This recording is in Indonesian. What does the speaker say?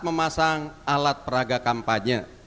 memasang alat peraga kampanye